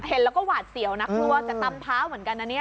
เห็นแล้วก็หวาดเสียวนะกลัวจะตำเท้าเหมือนกันนะเนี่ย